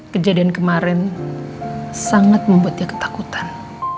kejadian kemarin sangat membuat dia ketakutan